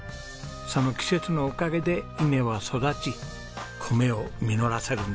その季節のおかげで稲は育ち米を実らせるんですね。